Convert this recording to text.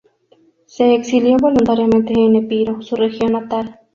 Se exilió voluntariamente en Epiro, su región natal.